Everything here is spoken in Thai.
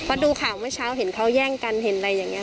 เพราะดูข่าวเมื่อเช้าเห็นเขาแย่งกันเห็นอะไรอย่างนี้